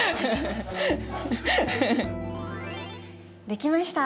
できました！